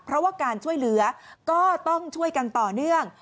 เพราะว่าการช่วยเหลือก็ต้องช่วยกันต่อเนื่อง